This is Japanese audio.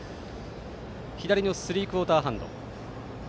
左のスリークオーターハンド。